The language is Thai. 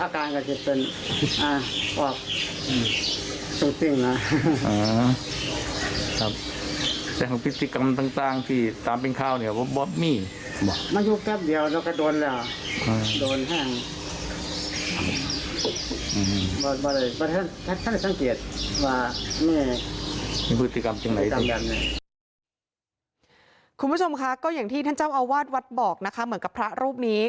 คุณผู้ชมค่ะก็อย่างที่ท่านเจ้าอาวาสวัดบอกนะคะเหมือนกับพระรูปนี้